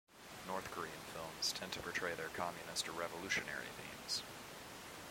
North Korean films tend to portray their communist or revolutionary themes.